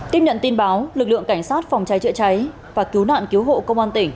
tiếp nhận tin báo lực lượng cảnh sát phòng cháy chữa cháy và cứu nạn cứu hộ công an tỉnh